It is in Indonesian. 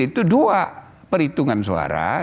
itu dua perhitungan suara